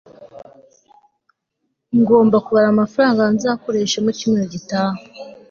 ngomba kubara amafaranga nzakoresha mucyumweru gitaha